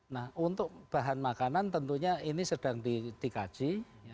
nah untuk bahan makanan tentunya ini sedang dikaji